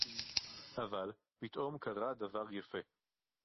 אֲבָל פִּתְאוֹם קָרָה דָּבָר יָפֶה.